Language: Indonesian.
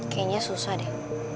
kayaknya susah deh